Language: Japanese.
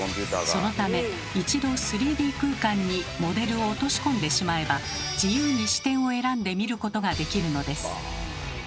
そのため一度３Ｄ空間にモデルを落とし込んでしまえば自由に視点を選んで見ることができるのです。